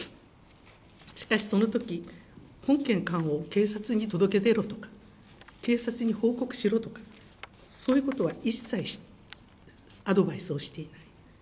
しかし、そのとき、本件缶を警察に届け出ろとか、警察に報告しろとか、そういうことを一切アドバイスをしていない。